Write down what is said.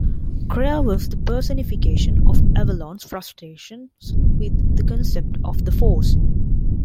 Kreia was the personification of Avellone's frustrations with the concept of the Force.